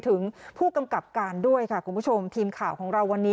ถึง๗นายด้วยกัน